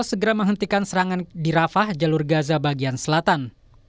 segera menghentikan serangan di rafah jalur gaza bagian selatan